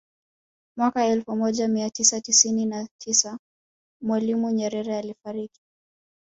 Mwaka elfu moja mia tisa tisini na tisa Mwalimu Nyerere alifariki